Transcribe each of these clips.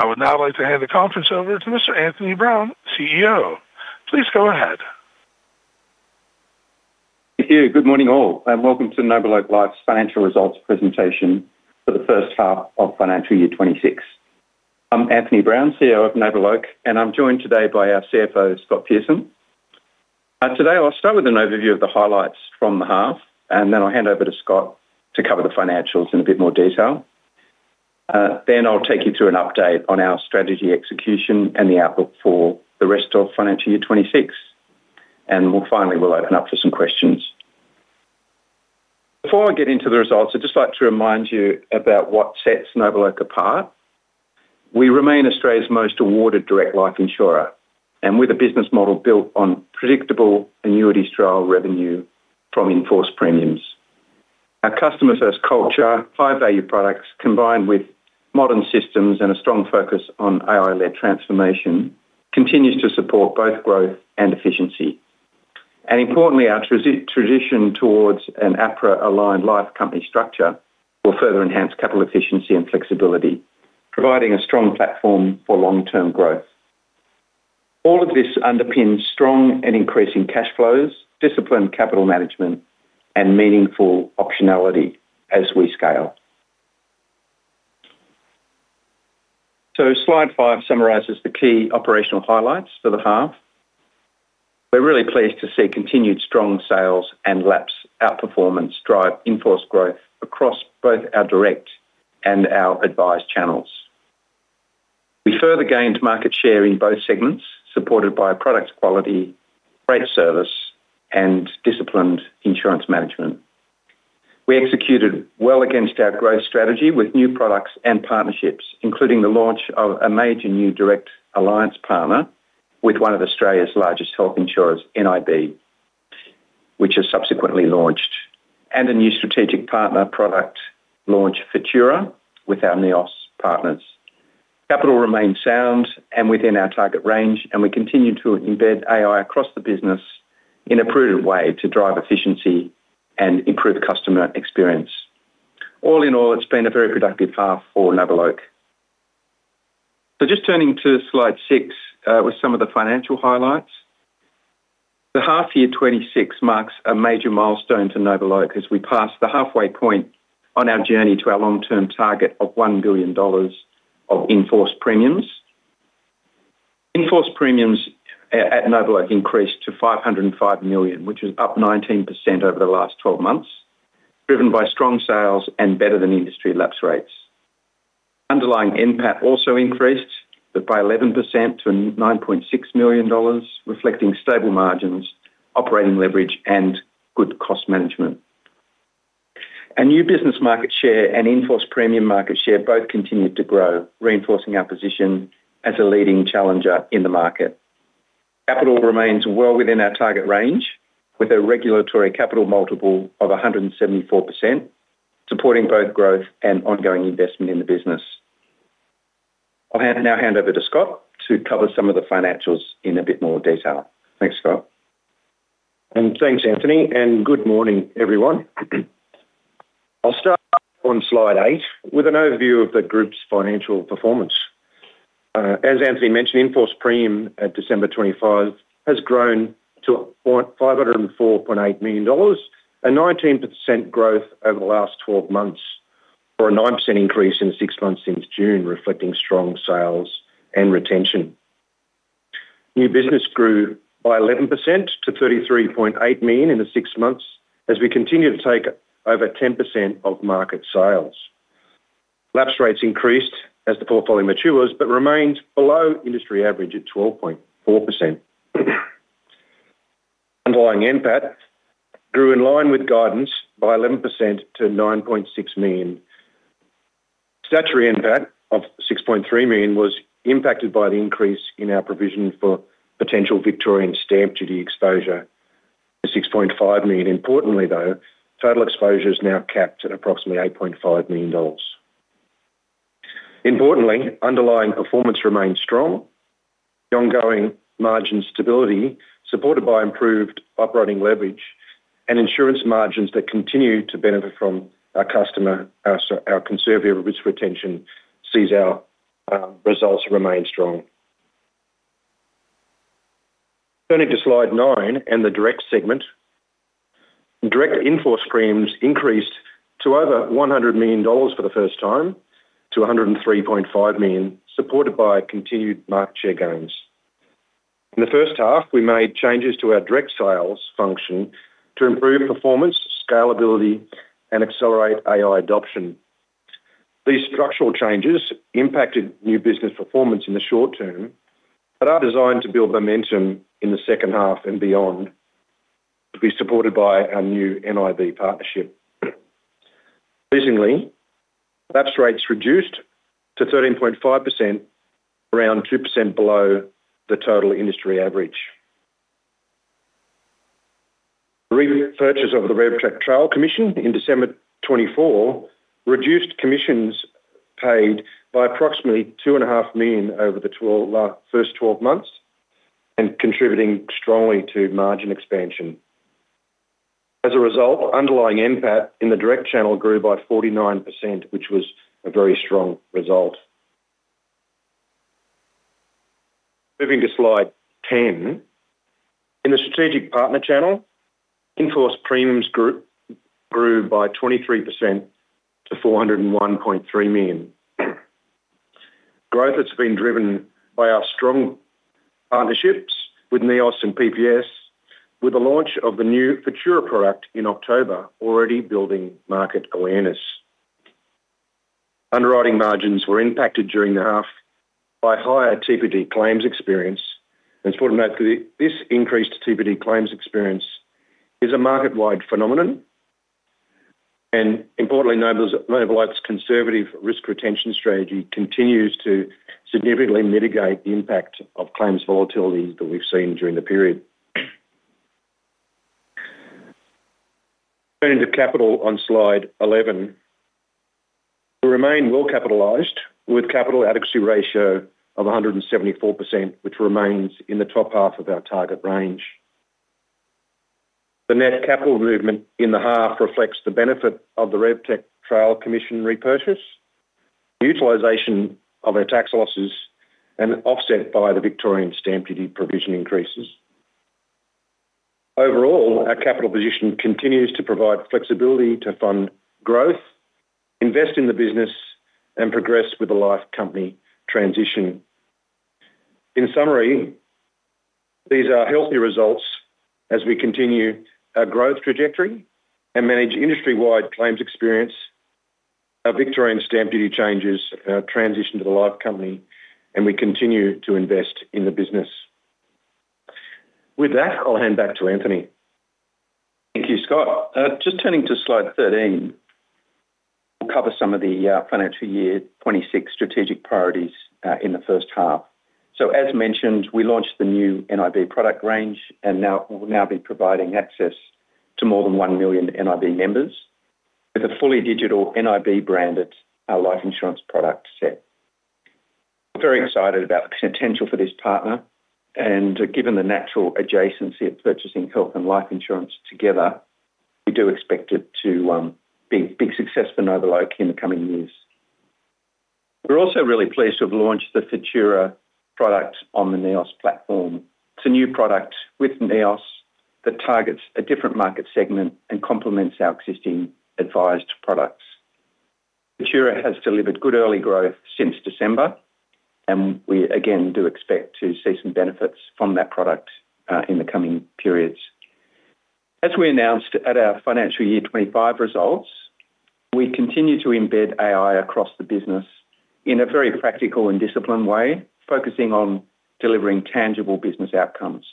I would now like to hand the conference over to Mr. Anthony Brown, CEO. Please go ahead. Thank you. Good morning all, welcome to NobleOak Life's financial results presentation for the first half of financial year 2026. I'm Anthony Brown, CEO of NobleOak, and I'm joined today by our CFO, Scott Pearson. Today I'll start with an overview of the highlights from the half, and then I'll hand over to Scott to cover the financials in a bit more detail. I'll take you through an update on our strategy execution and the outlook for the rest of financial year 2026. Finally, we'll open up for some questions. Before I get into the results, I'd just like to remind you about what sets NobleOak apart. We remain Australia's most awarded direct life insurer, and with a business model built on predictable annuity trail revenue from in-force premiums. Our customer-first culture, high-value products, combined with modern systems and a strong focus on AI-led transformation, continues to support both growth and efficiency. Importantly, our tradition towards an APRA-aligned life company structure will further enhance capital efficiency and flexibility, providing a strong platform for long-term growth. All of this underpins strong and increasing cash flows, disciplined capital management, and meaningful optionality as we scale. Slide five summarizes the key operational highlights for the half. We're really pleased to see continued strong sales and lapse outperformance drive in-force growth across both our direct and our advised channels. We further gained market share in both segments, supported by product quality, great service, and disciplined insurance management. We executed well against our growth strategy with new products and partnerships, including the launch of a major new direct alliance partner with one of Australia's largest health insurers, nib, which has subsequently launched. A new strategic partner product launch, Futura, with our NEOS partners. Capital remains sound and within our target range, and we continue to embed AI across the business in a prudent way to drive efficiency and improve customer experience. All in all, it's been a very productive half for NobleOak. Just turning to slide six, with some of the financial highlights. The half year 26 marks a major milestone to NobleOak as we pass the halfway point on our journey to our long-term target of 1 billion dollars of in-force premiums. In-force premiums at NobleOak increased to 505 million, which is up 19% over the last 12 months, driven by strong sales and better-than-industry lapse rates. Underlying NPAT also increased by 11% to 9.6 million dollars, reflecting stable margins, operating leverage, and good cost management. Our new business market share and in-force premium market share both continued to grow, reinforcing our position as a leading challenger in the market. Capital remains well within our target range, with a regulatory capital multiple of 174%, supporting both growth and ongoing investment in the business. I'll now hand over to Scott to cover some of the financials in a bit more detail. Thanks, Scott. Thanks, Anthony, and good morning, everyone. I'll start on slide eight with an overview of the group's financial performance. As Anthony mentioned, in-force premium at December 25 has grown to 504.8 million dollars, a 19% growth over the last 12 months or a 9% increase in the six months since June, reflecting strong sales and retention. New business grew by 11% to 33.8 million in the six months as we continue to take over 10% of market sales. Lapse rates increased as the portfolio matures, but remained below industry average at 12.4%. Underlying NPAT grew in line with guidance by 11% to 9.6 million. Statutory NPAT of 6.3 million was impacted by the increase in our provision for potential Victorian stamp duty exposure to 6.5 million. Importantly, though, total exposure is now capped at approximately 8.5 million dollars. Importantly, underlying performance remains strong. The ongoing margin stability, supported by improved operating leverage and insurance margins that continue to benefit from our customer, our conservative risk retention, sees our results remain strong. Turning to slide nine and the direct segment. Direct in-force premiums increased to over 100 million dollars for the first time to 103.5 million, supported by continued market share gains. In the first half, we made changes to our direct sales function to improve performance, scalability, and accelerate AI adoption. These structural changes impacted new business performance in the short term, are designed to build momentum in the second half and beyond to be supported by our new nib partnership. Pleasingly, lapse rates reduced to 13.5%, around 2% below the total industry average. Repurchase of the RevTech Trail Commission in December 2024 reduced commissions paid by approximately 2.5 million over the first 12 months and contributing strongly to margin expansion. As a result, underlying NPAT in the direct channel grew by 49%, which was a very strong result. Moving to slide 10. In the strategic partner channel, in-force premiums group grew by 23% to 401.3 million. Growth that's been driven by our strong partnerships with NEOS and PPS, with the launch of the new Futura product in October already building market awareness. Underwriting margins were impacted during the half by higher TPD claims experience. It's important to note that this increased TPD claims experience is a market-wide phenomenon, and importantly, NobleOak's conservative risk retention strategy continues to significantly mitigate the impact of claims volatility that we've seen during the period. Going into capital on slide 11. We remain well-capitalized, with capital adequacy ratio of 174%, which remains in the top half of our target range. The net capital movement in the half reflects the benefit of the RevTech Trail Commission repurchase, the utilization of our tax losses, and offset by the Victorian stamp duty provision increases. Overall, our capital position continues to provide flexibility to fund growth, invest in the business, and progress with the life company transition. In summary, these are healthy results as we continue our growth trajectory and manage industry-wide claims experience, our Victorian stamp duty changes, our transition to the life company, and we continue to invest in the business. With that, I'll hand back to Anthony. Thank you, Scott. Just turning to slide 13. We'll cover some of the financial year 26 strategic priorities in the first half. As mentioned, we launched the new nib product range, we'll now be providing access to more than 1 million nib members with a fully digital nib-branded life insurance product set. We're very excited about the potential for this partner, and given the natural adjacency of purchasing health and life insurance together, we do expect it to be a big success for NobleOak in the coming years. We're also really pleased to have launched the Futura product on the NEOS platform. It's a new product with NEOS that targets a different market segment and complements our existing advised products. Futura has delivered good early growth since December, and we again, do expect to see some benefits from that product in the coming periods. As we announced at our financial year 2025 results, we continue to embed AI across the business in a very practical and disciplined way, focusing on delivering tangible business outcomes.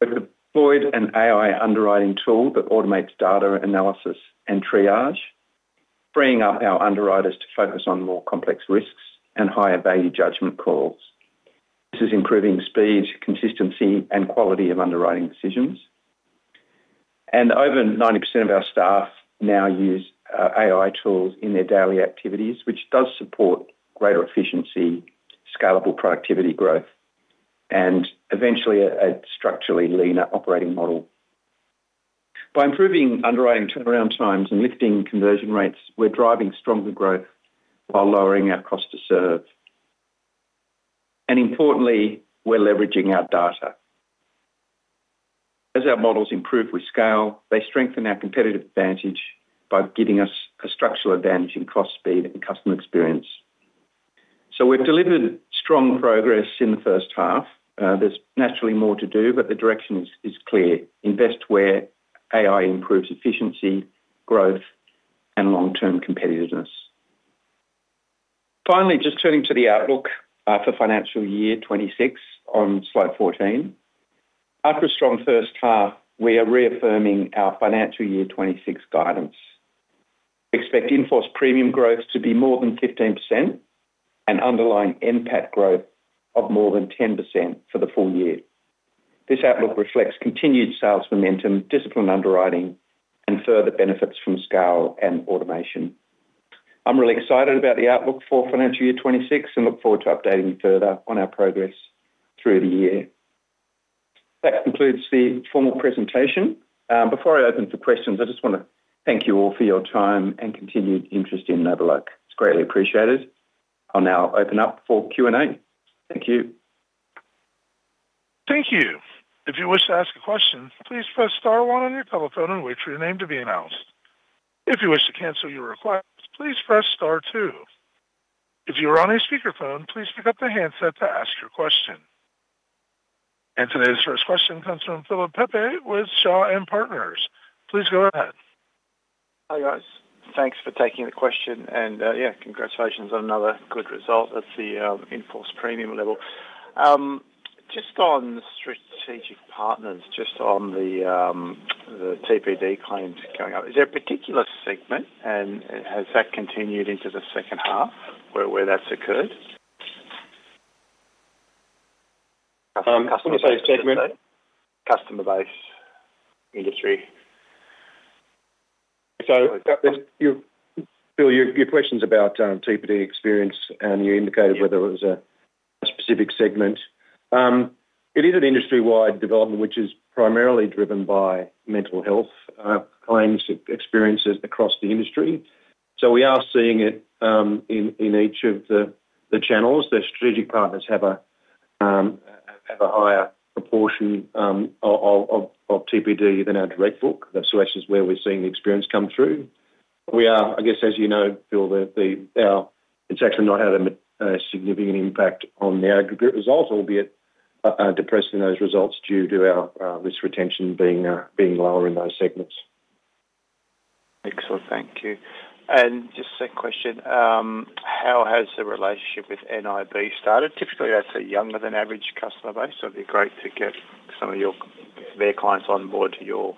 We've deployed an AI underwriting tool that automates data analysis and triage, freeing up our underwriters to focus on more complex risks and higher-value judgment calls. This is improving speed, consistency, and quality of underwriting decisions. Over 90% of our staff now use AI tools in their daily activities, which does support greater efficiency, scalable productivity growth, and eventually a structurally leaner operating model. By improving underwriting turnaround times and lifting conversion rates, we're driving stronger growth while lowering our cost to serve. Importantly, we're leveraging our data. As our models improve with scale, they strengthen our competitive advantage by giving us a structural advantage in cost, speed, and customer experience. We've delivered strong progress in the first half. There's naturally more to do, but the direction is clear. Invest where AI improves efficiency, growth, and long-term competitiveness. Finally, just turning to the outlook for financial year 26 on slide 14. After a strong first half, we are reaffirming our financial year 26 guidance. We expect in-force premium growth to be more than 15% and underlying NPAT growth of more than 10% for the full year. This outlook reflects continued sales momentum, disciplined underwriting, and further benefits from scale and automation. I'm really excited about the outlook for financial year 26 and look forward to updating you further on our progress through the year. That concludes the formal presentation. Before I open for questions, I just wanna thank you all for your time and continued interest in NobleOak. It's greatly appreciated. I'll now open up for Q&A. Thank you. Thank you. If you wish to ask a question, please press star one on your telephone and wait for your name to be announced. If you wish to cancel your request, please press star two. If you are on a speakerphone, please pick up the handset to ask your question. Today's first question comes from Philip Pepe with Shaw and Partners. Please go ahead. Hi, guys. Thanks for taking the question and, yeah, congratulations on another good result at the in-force premium level. Just on the strategic partners, just on the TPD claims going up, is there a particular segment and has that continued into the second half where that's occurred? Custom-custom base you say? Customer base industry. You Phil, your questions about TPD experience, and you indicated whether it was a specific segment. It is an industry-wide development which is primarily driven by mental health claims experiences across the industry. We are seeing it in each of the channels. The strategic partners have a higher proportion of TPD than our direct book. That's where actually where we're seeing the experience come through. We are, I guess as you know, Phil, it's actually not had a significant impact on the aggregate result, albeit depressing those results due to our risk retention being lower in those segments. Excellent. Thank you. Just second question. How has the relationship with nib started? Typically, that's a younger than average customer base, so it'd be great to get some of their clients on board to your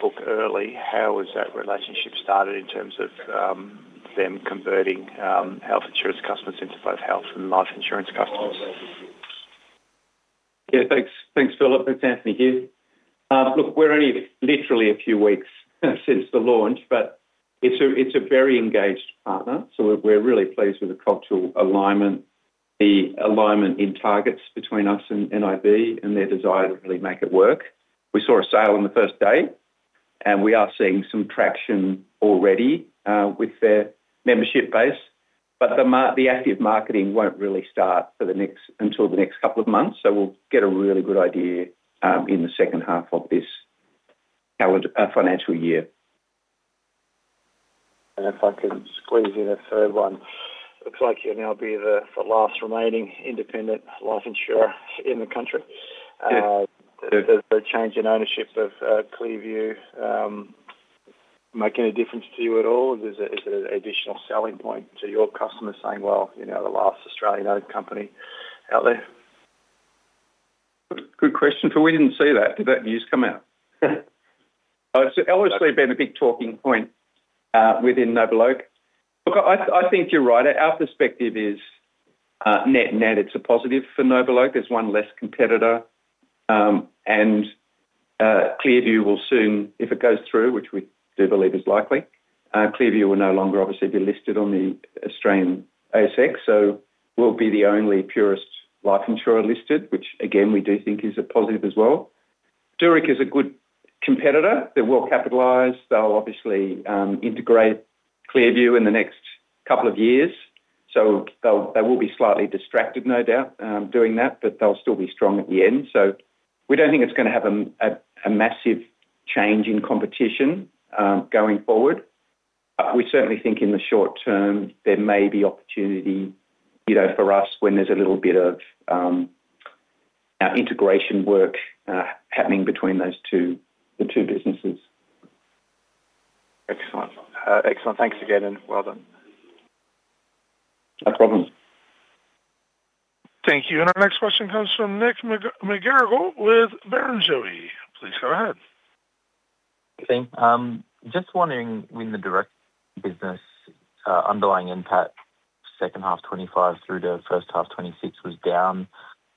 book early. How has that relationship started in terms of them converting, health insurance customers into both health and life insurance customers? Yeah, thanks. Thanks, Philip. It's Anthony here. Look, we're only literally a few weeks since the launch, but it's a, it's a very engaged partner, so we're really pleased with the cultural alignment, the alignment in targets between us and nib and their desire to really make it work. We saw a sale on the first day, and we are seeing some traction already, with their membership base. The active marketing won't really start until the next couple of months, so we'll get a really good idea in the second half of this calendar financial year. If I can squeeze in a third one. Looks like you'll now be the last remaining independent life insurer in the country. Yeah. The change in ownership of ClearView make any difference to you at all? Is it an additional selling point to your customers saying, "Well, you know, the last Australian-owned company out there"? Good question, Phil. We didn't see that. Did that news come out? It's obviously been a big talking point within NobleOak. Look, I think you're right. Our perspective is net it's a positive for NobleOak. There's one less competitor. ClearView will soon, if it goes through, which we do believe is likely, ClearView will no longer obviously be listed on the Australian ASX, we'll be the only purest life insurer listed, which again, we do think is a positive as well. Zurich is a good competitor. They're well capitalized. They'll obviously integrate ClearView in the next couple of years. They will be slightly distracted no doubt doing that, but they'll still be strong at the end. We don't think it's gonna have a massive change in competition going forward. We certainly think in the short term there may be opportunity, you know, for us when there's a little bit of integration work happening between the two businesses. Excellent. Excellent. Thanks again, and well done. No problems. Thank you. Our next question comes from Nick McGerrigle with Barrenjoey. Please go ahead. Thanks. Just wondering when the direct business, underlying NPAT second half 2025 through to first half 2026 was down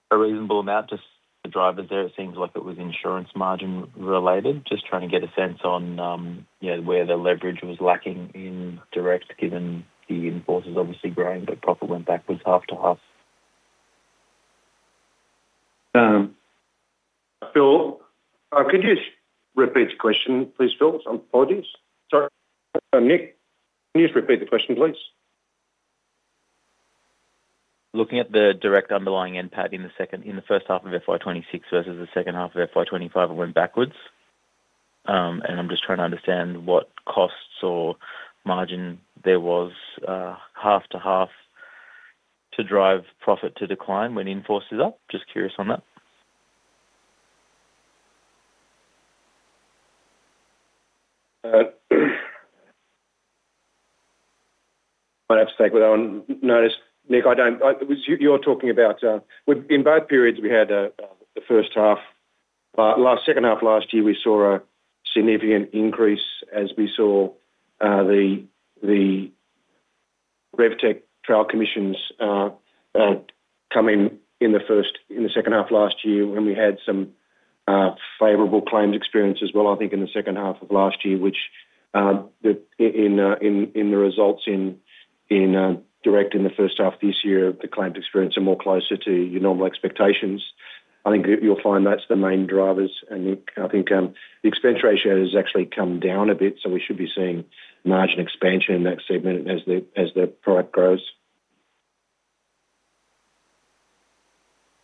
a reasonable amount. Just the drivers there, it seems like it was insurance margin related. Just trying to get a sense on, you know, where the leverage was lacking in direct given the in-force is obviously growing but profit went backwards half to half. Phil, could you just repeat the question please, Phil? Apologies. Sorry. Nick, can you just repeat the question, please? Looking at the direct underlying NPAT in the first half of FY 2026 versus the second half of FY 2025, it went backwards. I'm just trying to understand what costs or margin there was half to half to drive profit to decline when inforce is up. Just curious on that. I'd have to take with that one. Nick, you're talking about in both periods, we had the first half. Second half last year, we saw a significant increase as we saw the RevTech Trail commissions come in the second half last year when we had some favorable claims experience as well, I think, in the second half of last year, which, in the results in direct in the first half this year, the claims experience are more closer to your normal expectations. I think you'll find that's the main drivers. Nick, I think, the expense ratio has actually come down a bit, so we should be seeing margin expansion in that segment as the product grows.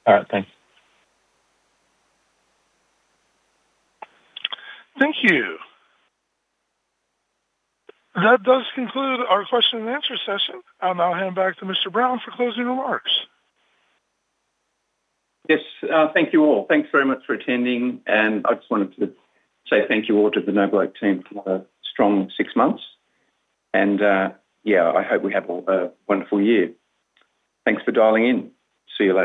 All right. Thanks. Thank you. That does conclude our question and answer session. I'll now hand back to Mr. Brown for closing remarks. Yes, thank you all. Thanks very much for attending. I just wanted to say thank you all to the NobleOak team for the strong six months. I hope we have a wonderful year. Thanks for dialing in. See you later.